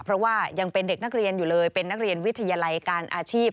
เพราะว่ายังเป็นเด็กนักเรียนอยู่เลยเป็นนักเรียนวิทยาลัยการอาชีพ